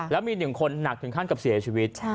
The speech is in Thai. แล้วมี๑คนหนักถึงขั้นกับเสียชีวิต